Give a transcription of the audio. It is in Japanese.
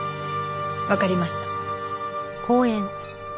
わかりました。